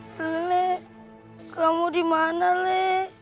lele kamu dimana le